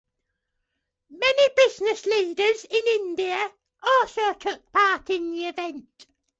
Many business leaders in India also took part in the event.